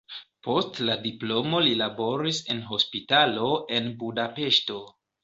Post la diplomo li laboris en hospitalo en Budapeŝto.